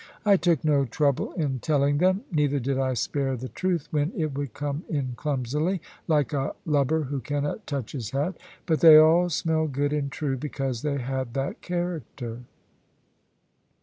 I took no trouble in telling them, neither did I spare the truth when it would come in clumsily (like a lubber who cannot touch his hat), but they all smelled good and true, because they had that character.